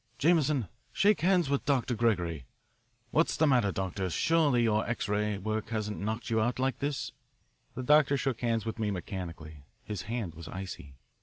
"Jameson, shake hands with Dr. Gregory. What's the matter, Doctor? Surely your X ray work hasn't knocked you out like this?" The doctor shook hands with me mechanically. His hand was icy.